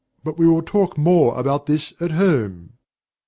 But we will talk more about this at home.